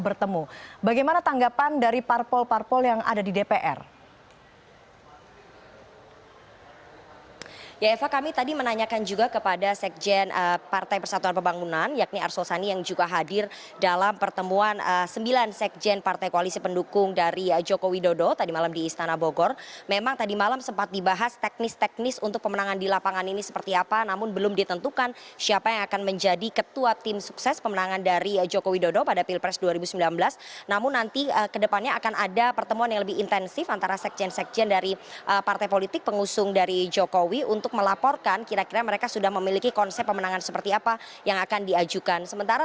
rifana pratiwi akan menyampaikan informasi terkini seputar langkah langkah politik dari kedua kubu capres cawapres